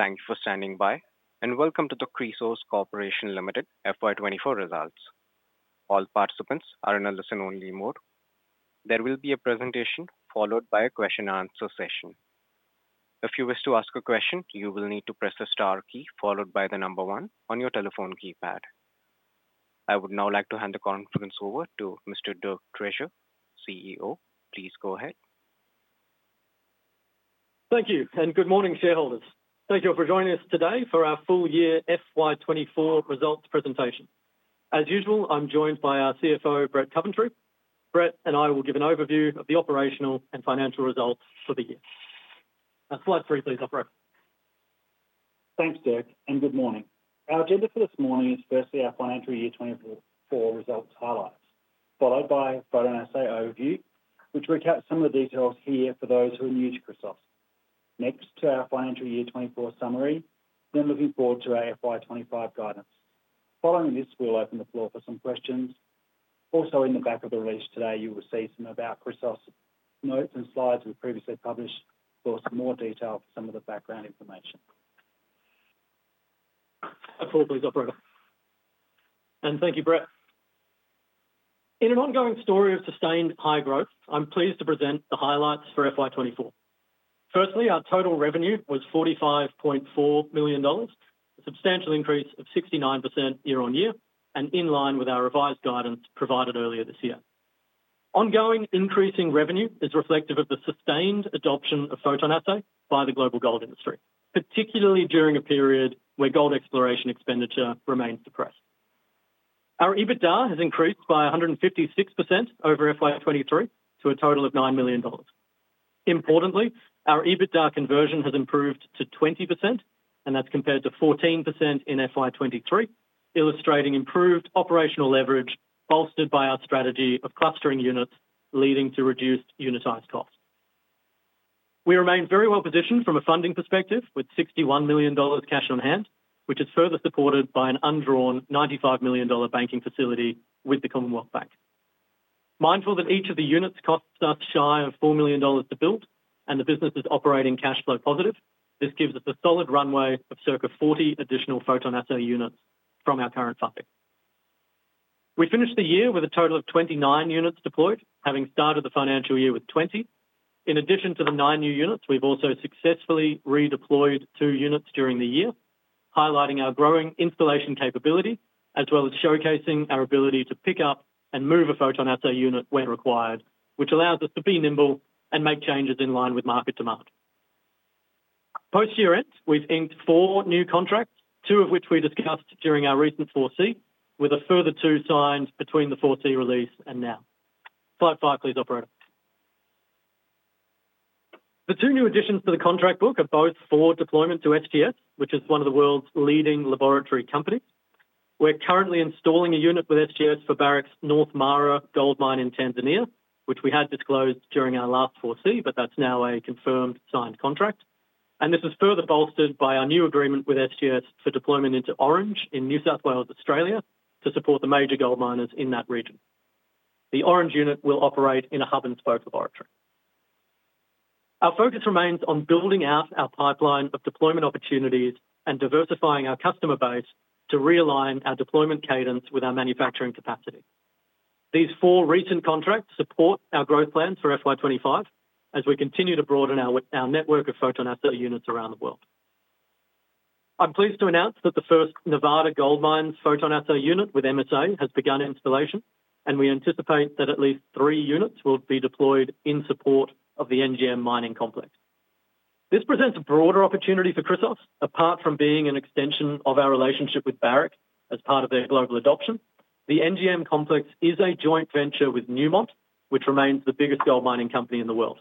Thank you for standing by, and welcome to the Chrysos Corporation Limited FY 24 results. All participants are in a listen-only mode. There will be a presentation followed by a question and answer session. If you wish to ask a question, you will need to press the star key, followed by the number one on your telephone keypad. I would now like to hand the conference over to Mr. Dirk Treasure, CEO. Please go ahead. Thank you, and good morning, shareholders. Thank you all for joining us today for our full year FY 24 results presentation. As usual, I'm joined by our CFO, Brett Coventry. Brett and I will give an overview of the operational and financial results for the year. Slide three, please, operator. Thanks, Dirk, and good morning. Our agenda for this morning is firstly, our financial year 2024 results highlights, followed by PhotonAssay overview, which we recap some of the details here for those who are new to Chrysos. Next, to our financial year 24 summary, then looking forward to our FY 25 guidance. Following this, we'll open the floor for some questions. Also, in the back of the release today, you will see some About Chrysos notes and slides we previously published, for some more detail for some of the background information. Next slide, please, operator. Thank you, Brett. In an ongoing story of sustained high growth, I'm pleased to present the highlights for FY 2024. Firstly, our total revenue was 45.4 million dollars, a substantial increase of 69% year on year, and in line with our revised guidance provided earlier this year. Ongoing increasing revenue is reflective of the sustained adoption of PhotonAssay by the global gold industry, particularly during a period where gold exploration expenditure remains suppressed. Our EBITDA has increased by 156% over FY 2023, to a total of 9 million dollars. Importantly, our EBITDA conversion has improved to 20%, and that's compared to 14% in FY 2023, illustrating improved operational leverage, bolstered by our strategy of clustering units, leading to reduced unitized costs. We remain very well positioned from a funding perspective, with 61 million dollars cash on hand, which is further supported by an undrawn 95 million dollar banking facility with the Commonwealth Bank. Mindful that each of the units costs us shy of 4 million dollars to build, and the business is operating cash flow positive, this gives us a solid runway of circa 40 additional PhotonAssay units from our current total. We finished the year with a total of 29 units deployed, having started the financial year with 20. In addition to the nine new units, we've also successfully redeployed two units during the year, highlighting our growing installation capability, as well as showcasing our ability to pick up and move a PhotonAssay unit when required, which allows us to be nimble and make changes in line with market demand. Post-year end, we've inked four new contracts, two of which we discussed during our recent 4C, with a further two signed between the 4C release and now. Slide five, please, operator. The two new additions to the contract book are both for deployment to SGS, which is one of the world's leading laboratory companies. We're currently installing a unit with SGS for Barrick's North Mara Gold Mine in Tanzania, which we had disclosed during our last 4C, but that's now a confirmed signed contract. And this is further bolstered by our new agreement with SGS for deployment into Orange in New South Wales, Australia, to support the major gold miners in that region. The Orange unit will operate in a hub-and-spoke laboratory. Our focus remains on building out our pipeline of deployment opportunities and diversifying our customer base to realign our deployment cadence with our manufacturing capacity. These four recent contracts support our growth plans for FY 25, as we continue to broaden our network of PhotonAssay units around the world. I'm pleased to announce that the first Nevada Gold Mines' PhotonAssay unit with MSA has begun installation, and we anticipate that at least three units will be deployed in support of the NGM mining complex. This presents a broader opportunity for Chrysos, apart from being an extension of our relationship with Barrick as part of their global adoption. The NGM complex is a joint venture with Newmont, which remains the biggest gold mining company in the world.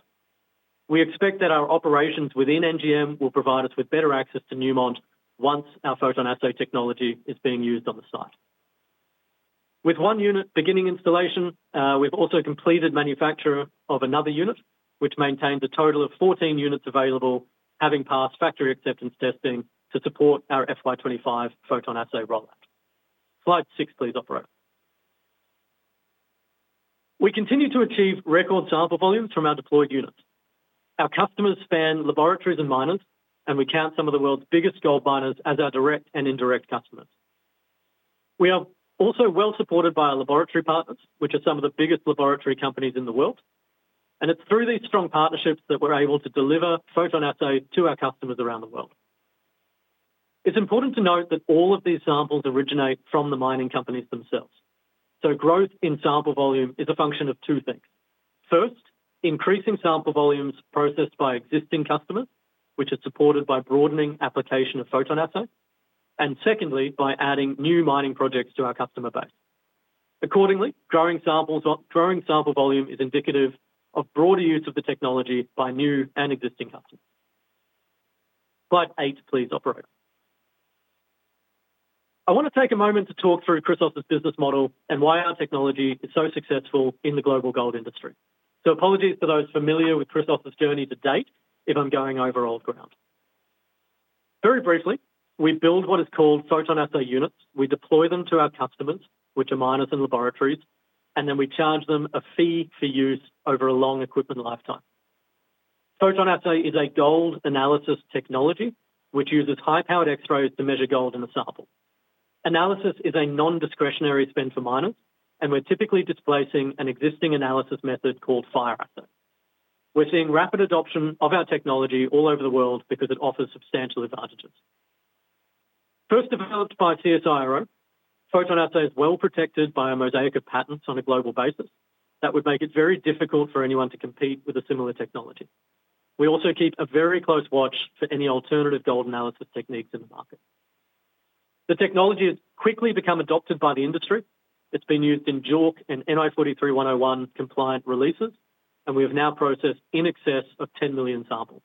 We expect that our operations within NGM will provide us with better access to Newmont once our PhotonAssay technology is being used on the site. With one unit beginning installation, we've also completed manufacture of another unit, which maintains a total of 14 units available, having passed factory acceptance testing to support our FY 2025 PhotonAssay rollout. Slide six, please, operator. We continue to achieve record sample volumes from our deployed units. Our customers span laboratories and miners, and we count some of the world's biggest gold miners as our direct and indirect customers. We are also well supported by our laboratory partners, which are some of the biggest laboratory companies in the world, and it's through these strong partnerships that we're able to deliver PhotonAssay to our customers around the world. It's important to note that all of these samples originate from the mining companies themselves, so growth in sample volume is a function of two things. First, increasing sample volumes processed by existing customers, which is supported by broadening application of PhotonAssay, and secondly, by adding new mining projects to our customer base. Accordingly, growing samples or growing sample volume is indicative of broader use of the technology by new and existing customers. Slide eight, please, operator. I want to take a moment to talk through Chrysos' business model and why our technology is so successful in the global gold industry. So apologies to those familiar with Chrysos' journey to date, if I'm going over old ground. Very briefly, we build what is called PhotonAssay units. We deploy them to our customers, which are miners and laboratories... and then we charge them a fee for use over a long equipment lifetime. PhotonAssay is a gold analysis technology, which uses high-powered X-rays to measure gold in a sample. Analysis is a non-discretionary spend for miners, and we're typically displacing an existing analysis method called fire assay. We're seeing rapid adoption of our technology all over the world because it offers substantial advantages. First developed by CSIRO, PhotonAssay is well protected by a mosaic of patents on a global basis that would make it very difficult for anyone to compete with a similar technology. We also keep a very close watch for any alternative gold analysis techniques in the market. The technology has quickly become adopted by the industry. It's been used in JORC and NI 43-101 compliant releases, and we have now processed in excess of 10 million samples.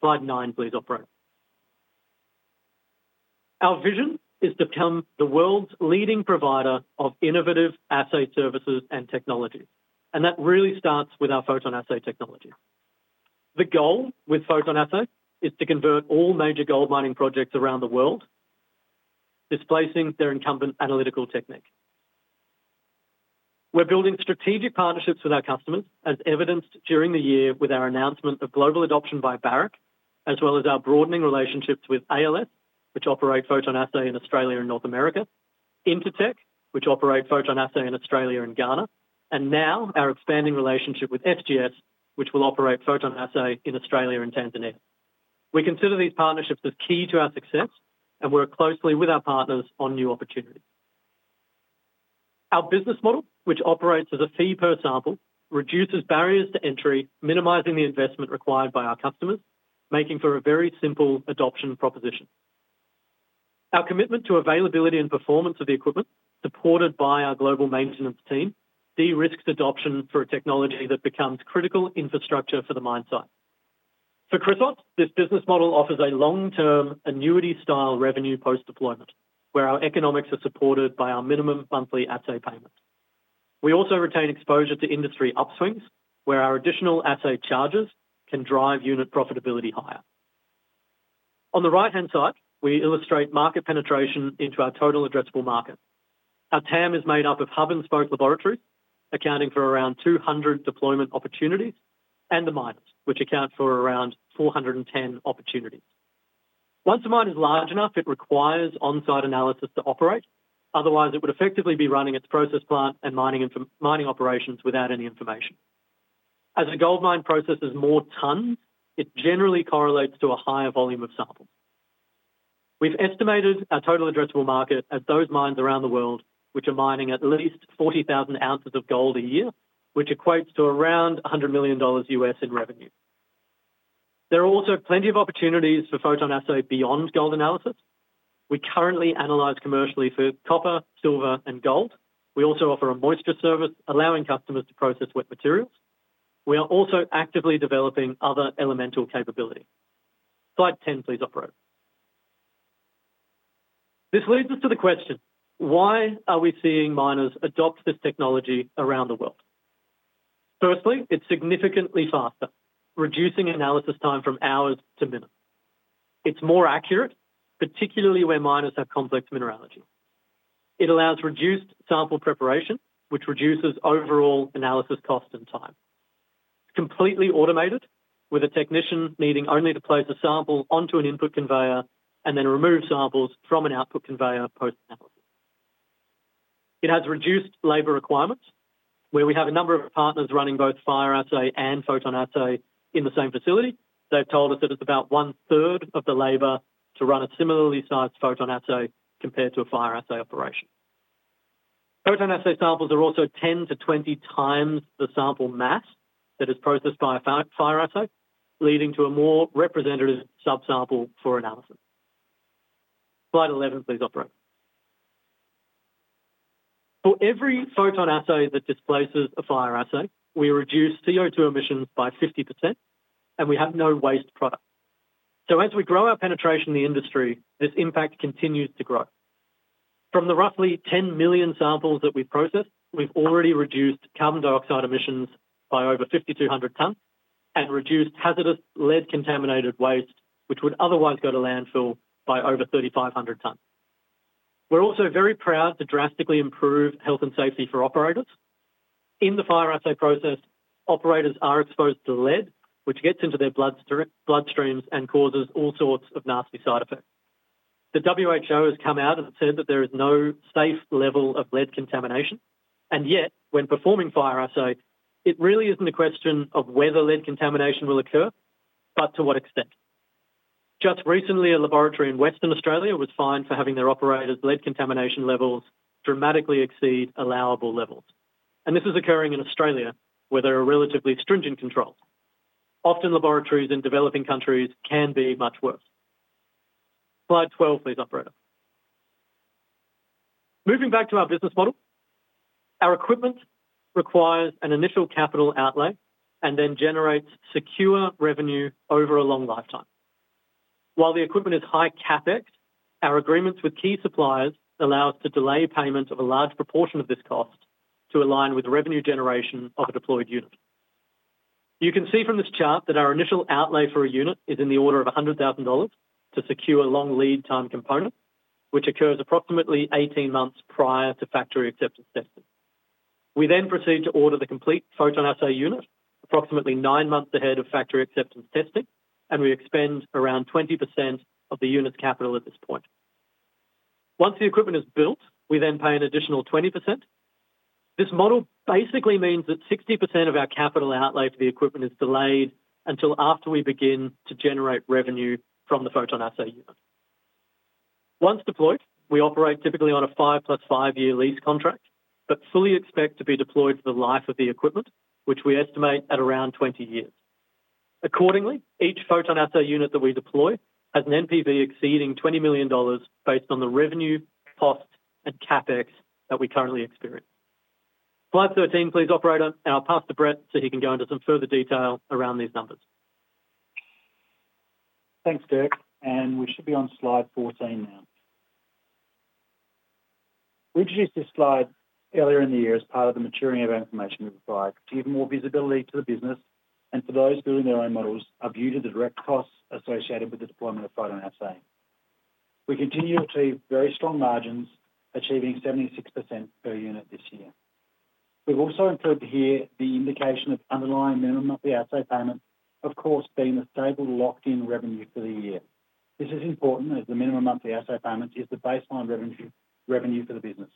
Slide nine, please, operator. Our vision is to become the world's leading provider of innovative assay services and technology, and that really starts with our PhotonAssay technology. The goal with PhotonAssay is to convert all major gold mining projects around the world, displacing their incumbent analytical technique. We're building strategic partnerships with our customers, as evidenced during the year with our announcement of global adoption by Barrick, as well as our broadening relationships with ALS, which operate PhotonAssay in Australia and North America, Intertek, which operate PhotonAssay in Australia and Ghana, and now our expanding relationship with SGS, which will operate PhotonAssay in Australia and Tanzania. We consider these partnerships as key to our success and work closely with our partners on new opportunities. Our business model, which operates as a fee per sample, reduces barriers to entry, minimizing the investment required by our customers, making for a very simple adoption proposition. Our commitment to availability and performance of the equipment, supported by our global maintenance team, de-risks adoption for a technology that becomes critical infrastructure for the mine site. For Chrysos, this business model offers a long-term annuity-style revenue post-deployment, where our economics are supported by our minimum monthly assay payment. We also retain exposure to industry upswings, where our additional assay charges can drive unit profitability higher. On the right-hand side, we illustrate market penetration into our total addressable market. Our TAM is made up of hub-and-spoke laboratories, accounting for around two hundred deployment opportunities, and the miners, which account for around four hundred and ten opportunities. Once a mine is large enough, it requires on-site analysis to operate. Otherwise, it would effectively be running its process plant and mining operations without any information. As a gold mine processes more tons, it generally correlates to a higher volume of samples. We've estimated our total addressable market at those mines around the world, which are mining at least 40,000 ounces of gold a year, which equates to around $100 million USD in revenue. There are also plenty of opportunities for PhotonAssay beyond gold analysis. We currently analyze commercially for copper, silver, and gold. We also offer a moisture service, allowing customers to process wet materials. We are also actively developing other elemental capability. Slide 10, please, operator. This leads us to the question: Why are we seeing miners adopt this technology around the world? Firstly, it's significantly faster, reducing analysis time from hours to minutes. It's more accurate, particularly where miners have complex mineralogy. It allows reduced sample preparation, which reduces overall analysis cost and time. It's completely automated, with a technician needing only to place a sample onto an input conveyor and then remove samples from an output conveyor post-analysis. It has reduced labor requirements, where we have a number of partners running both fire assay and PhotonAssay in the same facility. They've told us that it's about one-third of the labor to run a similarly sized PhotonAssay compared to a fire assay operation. PhotonAssay samples are also 10-20x the sample mass that is processed by a fire assay, leading to a more representative sub-sample for analysis. Slide 11, please, operator. For every PhotonAssay that displaces a fire assay, we reduce CO2 emissions by 50%, and we have no waste product. So as we grow our penetration in the industry, this impact continues to grow. From the roughly 10 million samples that we've processed, we've already reduced carbon dioxide emissions by over 5,200 tons and reduced hazardous lead-contaminated waste, which would otherwise go to landfill, by over 3,500 tons. We're also very proud to drastically improve health and safety for operators. In the fire assay process, operators are exposed to lead, which gets into their bloodstreams and causes all sorts of nasty side effects. The WHO has come out and said that there is no safe level of lead contamination, and yet, when performing fire assay, it really isn't a question of whether lead contamination will occur, but to what extent. Just recently, a laboratory in Western Australia was fined for having their operators' lead contamination levels dramatically exceed allowable levels, and this is occurring in Australia, where there are relatively stringent controls. Often, laboratories in developing countries can be much worse. Slide 12, please, operator. Moving back to our business model, our equipment requires an initial capital outlay and then generates secure revenue over a long lifetime. While the equipment is high CapEx, our agreements with key suppliers allow us to delay payment of a large proportion of this cost to align with the revenue generation of a deployed unit. You can see from this chart that our initial outlay for a unit is in the order of 100,000 dollars to secure a long lead time component, which occurs approximately 18 months prior to factory acceptance testing. We then proceed to order the complete PhotonAssay unit, approximately 9 months ahead of factory acceptance testing, and we expend around 20% of the unit's capital at this point. Once the equipment is built, we then pay an additional 20%. This model basically means that 60% of our capital outlay for the equipment is delayed until after we begin to generate revenue from the PhotonAssay unit. Once deployed, we operate typically on a five plus five-year lease contract, but fully expect to be deployed for the life of the equipment, which we estimate at around 20 years. Accordingly, each PhotonAssay unit that we deploy has an NPV exceeding 20 million dollars, based on the revenue, cost, and CapEx that we currently experience. Slide 13, please, operator. I'll pass to Brett, so he can go into some further detail around these numbers. Thanks, Dirk, and we should be on slide 14 now. We introduced this slide earlier in the year as part of the maturing of our information we provide, to give more visibility to the business and for those building their own models, a view to the direct costs associated with the deployment of PhotonAssay. We continue to achieve very strong margins, achieving 76% per unit this year. We've also included here the indication of underlying minimum of the assay payments, of course, being the stable locked-in revenue for the year. This is important, as the minimum monthly assay payment is the baseline revenue, revenue for the business,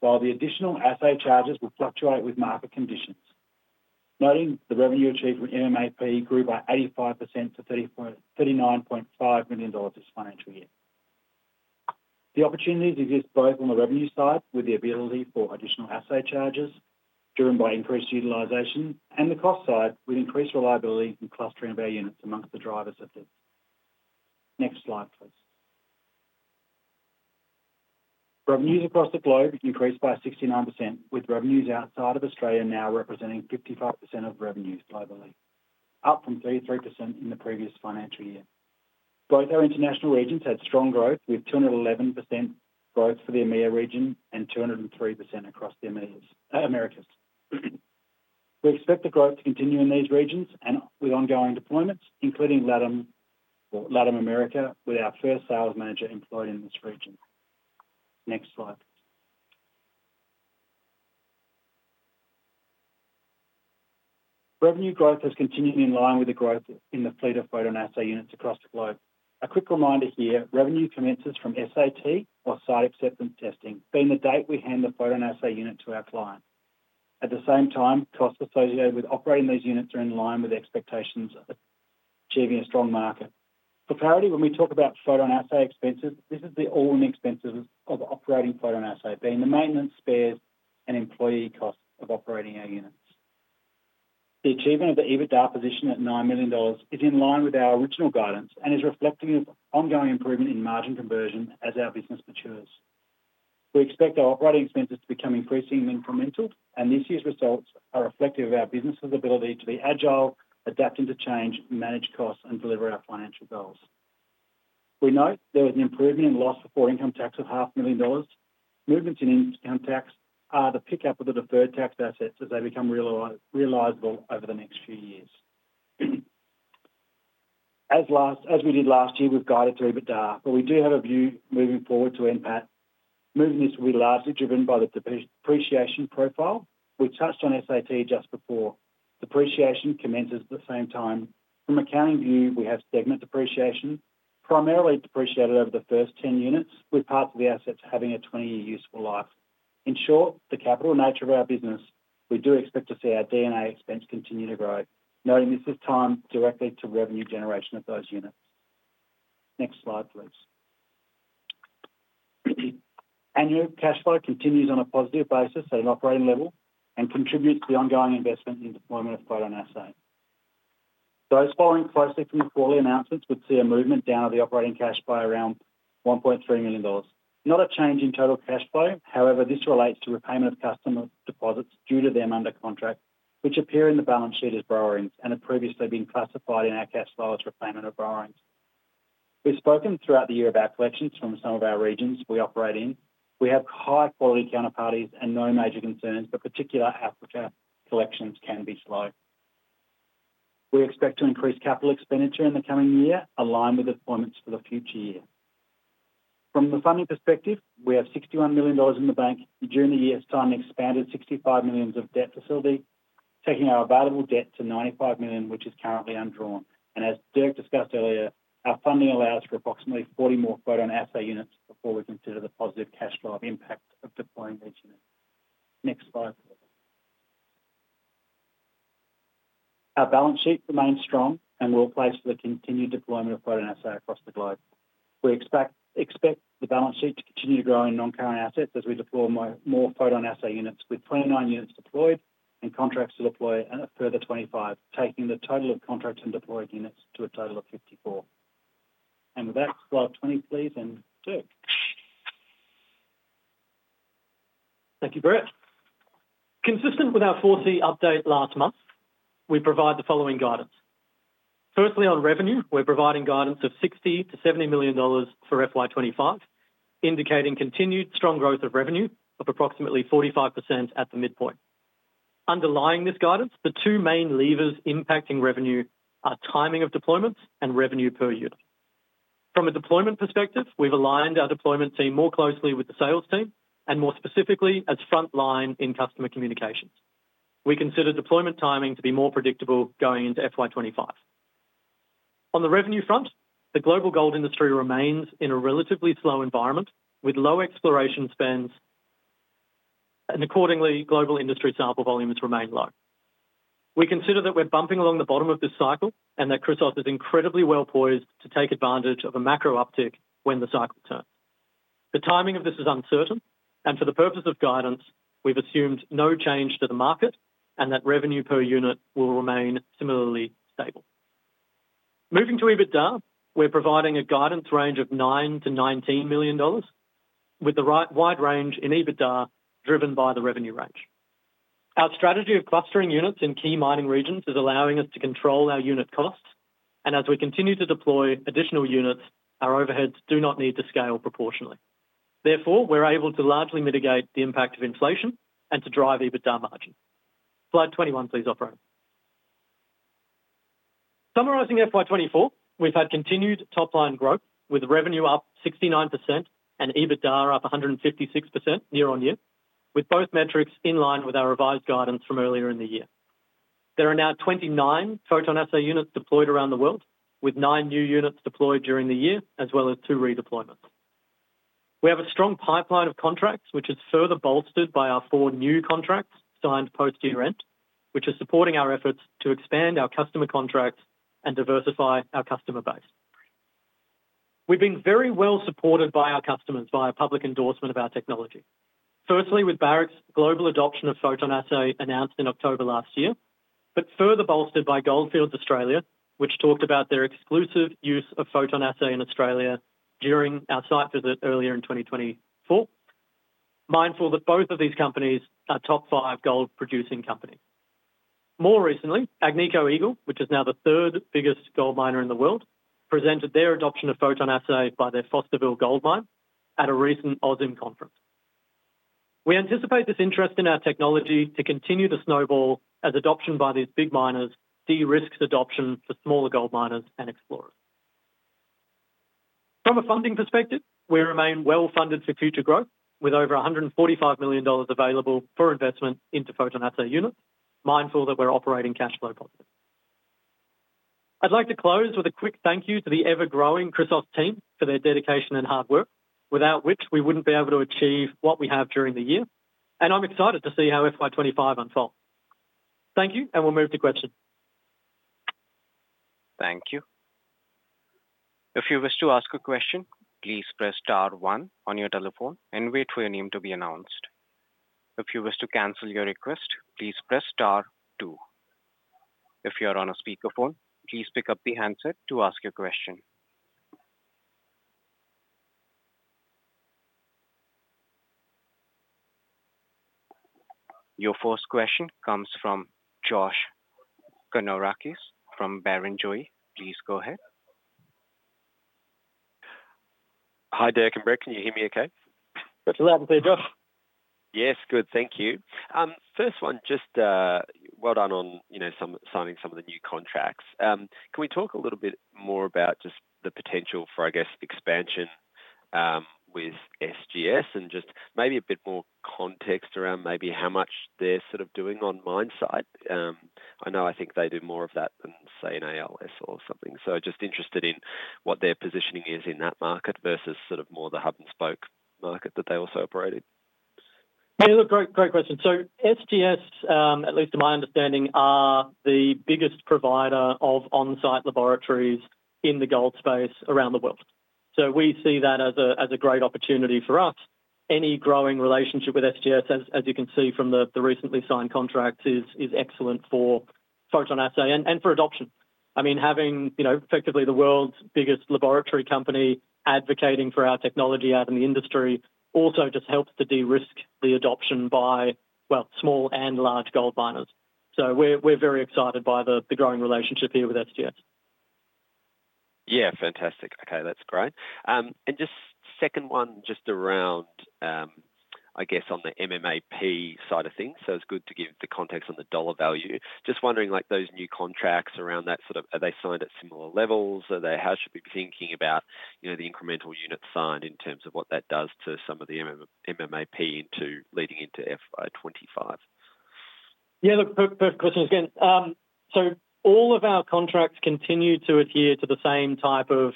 while the additional assay charges will fluctuate with market conditions. Noting the revenue achievement, MMAP grew by 85% to 39.5 million dollars this financial year. The opportunities exist both on the revenue side, with the ability for additional assay charges driven by increased utilization, and the cost side, with increased reliability and clustering of our units amongst the drivers of this. Next slide, please. Revenues across the globe increased by 69%, with revenues outside of Australia now representing 55% of revenues globally, up from 33% in the previous financial year. Both our international regions had strong growth, with 211% growth for the EMEA region and 203% across the Americas. We expect the growth to continue in these regions and with ongoing deployments, including LATAM or Latin America, with our first sales manager employed in this region. Next slide. Revenue growth is continuing in line with the growth in the fleet of PhotonAssay units across the globe. A quick reminder here, revenue commences from SAT or site acceptance testing, being the date we hand the PhotonAssay unit to our client. At the same time, costs associated with operating these units are in line with expectations of achieving a strong market. For clarity, when we talk about PhotonAssay expenses, this is the all-in expenses of operating PhotonAssay, being the maintenance spares and employee costs of operating our units. The achievement of the EBITDA position at 9 million dollars is in line with our original guidance and is reflecting an ongoing improvement in margin conversion as our business matures. We expect our operating expenses to become increasingly incremental, and this year's results are reflective of our business's ability to be agile, adapting to change, manage costs, and deliver our financial goals. We note there was an improvement in loss before income tax of 500,000 dollars. Movements in income tax are the pickup of the deferred tax assets as they become realizable over the next few years. As we did last year, we've guided to EBITDA, but we do have a view moving forward to NPAT. Movements will be largely driven by the depreciation profile. We touched on SAT just before. Depreciation commences at the same time. From accounting view, we have segment depreciation, primarily depreciated over the first 10 units, with parts of the assets having a 20-year useful life. In short, the capital nature of our business, we do expect to see our D&A expense continue to grow, noting this is timed directly to revenue generation of those units. Next slide, please. Annual cash flow continues on a positive basis at an operating level and contributes to the ongoing investment in deployment of PhotonAssay. Those following closely from your quarterly announcements would see a movement down of the operating cash flow around 1.3 million dollars. Not a change in total cash flow, however, this relates to repayment of customer deposits due to them under contract, which appear in the balance sheet as borrowings and have previously been classified in our cash flow as repayment of borrowings. We've spoken throughout the year about collections from some of our regions we operate in. We have high-quality counterparties and no major concerns, but particular Africa collections can be slow. We expect to increase capital expenditure in the coming year, aligned with the deployments for the future year. From the funding perspective, we have 61 million dollars in the bank. During the year, we expanded 65 million of debt facility, taking our available debt to 95 million, which is currently undrawn. As Dirk discussed earlier, our funding allows for approximately 40 more PhotonAssay units before we consider the positive cash flow impact of deploying each unit. Next slide, please. Our balance sheet remains strong and well-placed for the continued deployment of PhotonAssay across the globe. We expect the balance sheet to continue growing non-current assets as we deploy more PhotonAssay units, with 29 units deployed and contracts to deploy a further 25, taking the total of contracts and deployed units to a total of 54. With that, slide 20, please, and Dirk. Thank you, Brett. Consistent with our full-year update last month, we provide the following guidance. Firstly, on revenue, we're providing guidance of 60-70 million dollars for FY 2025, indicating continued strong growth of revenue of approximately 45% at the midpoint. Underlying this guidance, the two main levers impacting revenue are timing of deployments and revenue per unit. From a deployment perspective, we've aligned our deployment team more closely with the sales team, and more specifically, as frontline in customer communications. We consider deployment timing to be more predictable going into FY 2025. On the revenue front, the global gold industry remains in a relatively slow environment, with low exploration spends, and accordingly, global industry sample volumes remain low. We consider that we're bumping along the bottom of this cycle, and that Chrysos is incredibly well-poised to take advantage of a macro uptick when the cycle turns. The timing of this is uncertain, and for the purpose of guidance, we've assumed no change to the market and that revenue per unit will remain similarly stable. Moving to EBITDA, we're providing a guidance range of 9 million-19 million dollars, with the really wide range in EBITDA driven by the revenue range. Our strategy of clustering units in key mining regions is allowing us to control our unit costs, and as we continue to deploy additional units, our overheads do not need to scale proportionally. Therefore, we're able to largely mitigate the impact of inflation and to drive EBITDA margin. Slide 21, please, Operator. Summarizing FY 2024, we've had continued top-line growth, with revenue up 69% and EBITDA up 156% year-on-year, with both metrics in line with our revised guidance from earlier in the year. There are now 29 PhotonAssay units deployed around the world, with 9 new units deployed during the year, as well as 2 redeployments. We have a strong pipeline of contracts, which is further bolstered by our 4 new contracts signed post year-end, which are supporting our efforts to expand our customer contracts and diversify our customer base. We've been very well supported by our customers via public endorsement of our technology. Firstly, with Barrick's global adoption of PhotonAssay, announced in October last year, but further bolstered by Gold Fields, which talked about their exclusive use of PhotonAssay in Australia during our site visit earlier in 2024, mindful that both of these companies are top 5 gold-producing companies. More recently, Agnico Eagle, which is now the third biggest gold miner in the world, presented their adoption of PhotonAssay by their Fosterville Gold Mine at a recent AusIMM conference. We anticipate this interest in our technology to continue to snowball as adoption by these big miners de-risks adoption for smaller gold miners and explorers. From a funding perspective, we remain well-funded for future growth, with over 145 million dollars available for investment into PhotonAssay units, mindful that we're operating cash flow positive. I'd like to close with a quick thank you to the ever-growing Chrysos team for their dedication and hard work, without which we wouldn't be able to achieve what we have during the year, and I'm excited to see how FY 25 unfolds. Thank you, and we'll move to questions. Thank you. If you wish to ask a question, please press star one on your telephone and wait for your name to be announced. If you wish to cancel your request, please press star two. If you are on a speakerphone, please pick up the handset to ask your question. Your first question comes from Josh Kannourakis from Barrenjoey. Please go ahead. Hi, Dirk and Brett. Can you hear me okay? Yes, loud and clear, Josh. Yes, good, thank you. First one, just, well done on, you know, some, signing some of the new contracts. Can we talk a little bit more about just the potential for, I guess, expansion, with SGS and just maybe a bit more context around maybe how much they're sort of doing on mine site? I know, I think they do more of that than, say, an ALS or something. So just interested in what their positioning is in that market versus sort of more the hub-and-spoke market that they also operate in. Yeah, look, great, great question. So SGS, at least to my understanding, are the biggest provider of on-site laboratories in the gold space around the world. So we see that as a great opportunity for us. Any growing relationship with SGS, as you can see from the recently signed contract, is excellent for PhotonAssay and for adoption. I mean, having, you know, effectively the world's biggest laboratory company advocating for our technology out in the industry also just helps to de-risk the adoption by, well, small and large gold miners. So we're very excited by the growing relationship here with SGS. Yeah, fantastic. Okay, that's great. And just second one, just around, I guess, on the MMAP side of things. So it's good to give the context on the dollar value. Just wondering, like, those new contracts around that sort of – are they signed at similar levels? Are they – How should we be thinking about, you know, the incremental units signed in terms of what that does to some of the MMAP intake leading into FY 2025? Yeah, look, perfect, perfect questions again. So all of our contracts continue to adhere to the same type of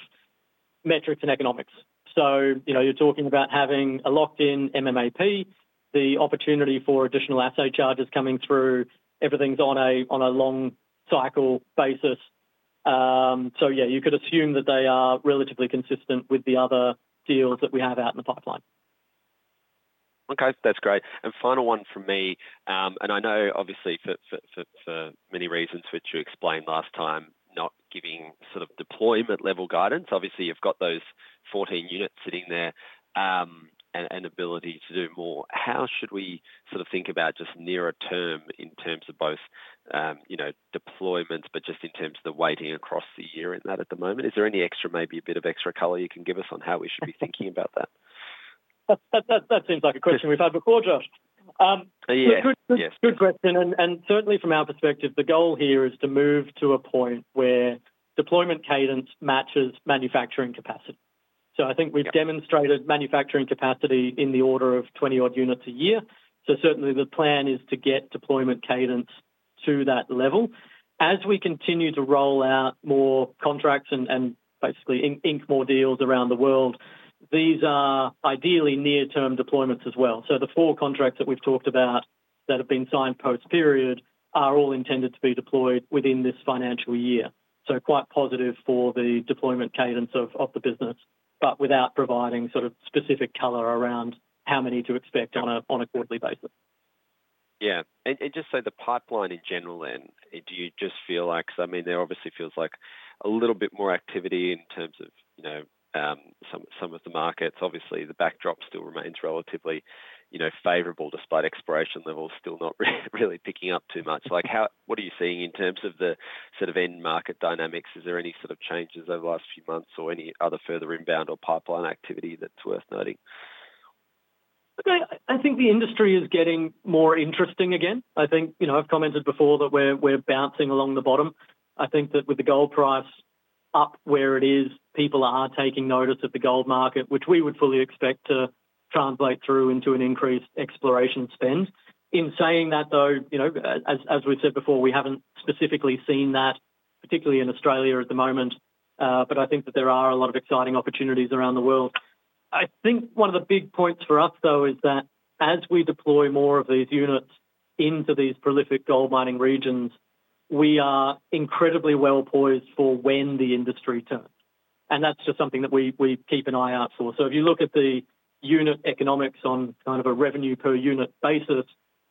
metrics and economics. So, you know, you're talking about having a locked-in MMAP, the opportunity for additional assay charges coming through. Everything's on a long cycle basis. So yeah, you could assume that they are relatively consistent with the other deals that we have out in the pipeline. Okay, that's great, and final one from me, and I know obviously for many reasons, which you explained last time, not giving sort of deployment level guidance. Obviously, you've got those 14 units sitting there, and ability to do more, how should we sort of think about just nearer term in terms of both, you know, deployments, but just in terms of the weighting across the year and that at the moment? Is there any extra, maybe a bit of extra color you can give us on how we should be thinking about that? That seems like a question we've had before, Josh. Yeah. Yes. Good, good question, and certainly from our perspective, the goal here is to move to a point where deployment cadence matches manufacturing capacity. So I think we've demonstrated manufacturing capacity in the order of 20-odd units a year. So certainly the plan is to get deployment cadence to that level. As we continue to roll out more contracts and basically ink more deals around the world, these are ideally near-term deployments as well. So the four contracts that we've talked about that have been signed post-period are all intended to be deployed within this financial year. So quite positive for the deployment cadence of the business, but without providing sort of specific color around how many to expect on a quarterly basis. Yeah. And just so the pipeline in general then, do you just feel like... I mean, there obviously feels like a little bit more activity in terms of, you know, some of the markets. Obviously, the backdrop still remains relatively, you know, favorable, despite exploration levels still not really picking up too much. Like, what are you seeing in terms of the sort of end market dynamics? Is there any sort of changes over the last few months or any other further inbound or pipeline activity that's worth noting? Look, I think the industry is getting more interesting again. I think, you know, I've commented before that we're bouncing along the bottom. I think that with the gold price up where it is, people are taking notice of the gold market, which we would fully expect to translate through into an increased exploration spend. In saying that, though, you know, as we've said before, we haven't specifically seen that, particularly in Australia at the moment. But I think that there are a lot of exciting opportunities around the world. I think one of the big points for us, though, is that as we deploy more of these units into these prolific gold mining regions, we are incredibly well poised for when the industry turns, and that's just something that we keep an eye out for. So if you look at the unit economics on kind of a revenue per unit basis,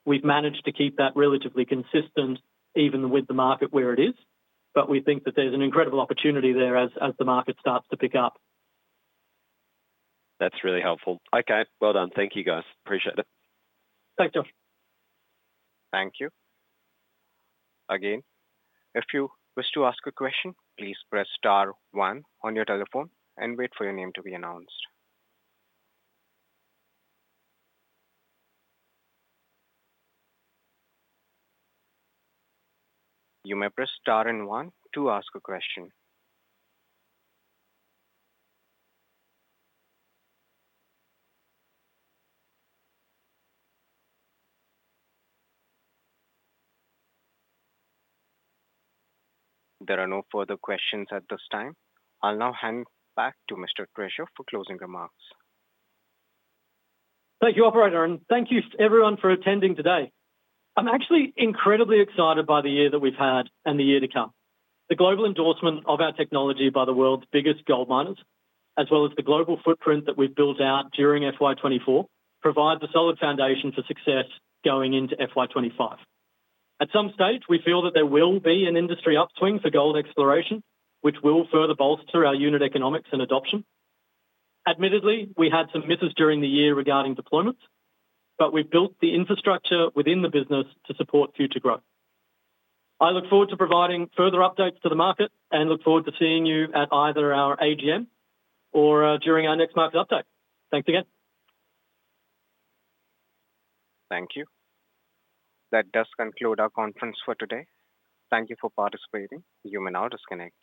we've managed to keep that relatively consistent even with the market where it is, but we think that there's an incredible opportunity there as the market starts to pick up. That's really helpful. Okay, well done. Thank you, guys. Appreciate it. Thanks, Josh. Thank you. Again, if you wish to ask a question, please press star one on your telephone and wait for your name to be announced. You may press star and one to ask a question. There are no further questions at this time. I'll now hand back to Mr. Treasure for closing remarks. Thank you, operator, and thank you everyone for attending today. I'm actually incredibly excited by the year that we've had and the year to come. The global endorsement of our technology by the world's biggest gold miners, as well as the global footprint that we've built out during FY 2024, provides a solid foundation for success going into FY 25. At some stage, we feel that there will be an industry upswing for gold exploration, which will further bolster our unit economics and adoption. Admittedly, we had some misses during the year regarding deployments, but we've built the infrastructure within the business to support future growth. I look forward to providing further updates to the market and look forward to seeing you at either our AGM or during our next market update. Thanks again. Thank you. That does conclude our conference for today. Thank you for participating. You may now disconnect.